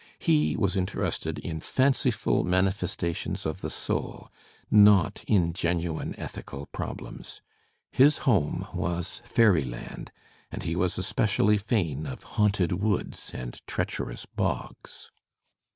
He was interested in fanciful manifestations of the soul, not in genuine ethical problems; his home was fairyland, and he was especially fain of haunted woods and treacherous bogs.